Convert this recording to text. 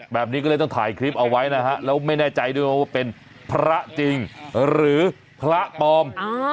แบบนี้ก็เลยต้องถ่ายคลิปเอาไว้นะฮะแล้วไม่แน่ใจด้วยว่าเป็นพระจริงหรือพระปลอม